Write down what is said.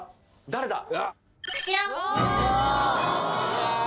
誰だ？